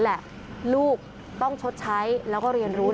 ลูกต้องชดใช้